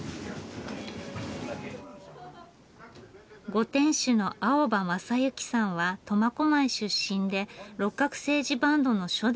ご店主の青葉昌之さんは苫小牧出身で六角精児バンドの初代ベーシスト。